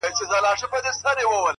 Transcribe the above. وينه د وجود مي ده ژوندی يم پرې،